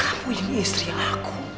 kamu ini istri aku